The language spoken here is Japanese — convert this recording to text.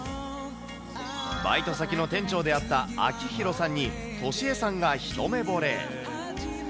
バイト先の店長であった明廣さんに敏江さんが一目ぼれ。